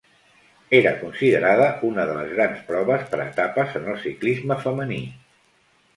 Era considerada una de les grans proves per etapes en el ciclisme femení.